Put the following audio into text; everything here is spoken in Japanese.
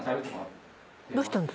どうしたん。